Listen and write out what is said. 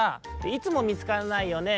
「いつもみつかんないよね」。